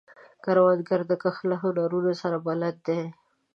کروندګر د کښت له هنرونو سره بلد دی